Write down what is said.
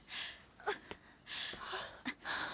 あっ。